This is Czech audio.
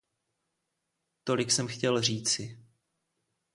Tolik jsem chtěl říci.